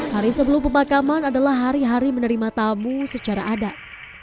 hari sebelum pemakaman adalah hari hari menerima tamu secara adat